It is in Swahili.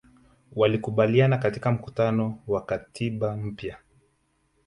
walikubaliana katika mkutano wa katiba mpya